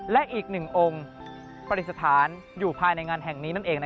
และอีกหนึ่งองค์ปฏิสถานอยู่ภายในงานแห่งนี้นั่นเอง